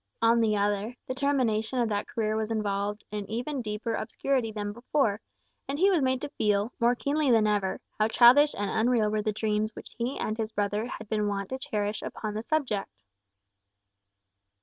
On the other, the termination of that career was involved in even deeper obscurity than before; and he was made to feel, more keenly than ever, how childish and unreal were the dreams which he and his brother had been wont to cherish upon the subject.